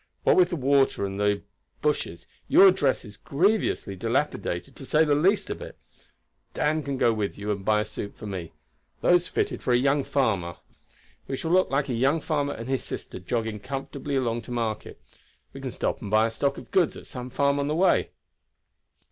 What with the water and the bushes your dress is grievously dilapidated, to say the least of it. Dan can go with you and buy a suit for me those fitted for a young farmer. We shall look like a young farmer and his sister jogging comfortably along to market; we can stop and buy a stock of goods at some farm on the way."